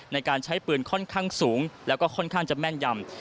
ในการใช้ปืนค่อนข้างสูงแล้วก็ค่อนข้างจะแม่นยำ